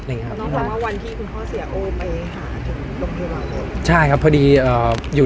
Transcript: น้องบอกว่าวันคุณพ่อเสียโอ้ยไปหาอัปดาหิรันดร์เวิก